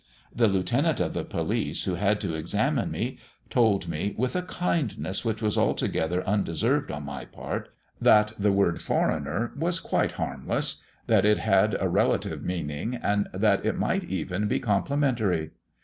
The lieutenant of the police who had to examine me, told me, with a kindness which was altogether undeserved on my part, that the word 'foreigner' was quite harmless, that it had a relative meaning, and that it might even be complimentary.